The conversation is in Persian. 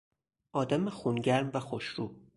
آدم خونگرم و خوشرو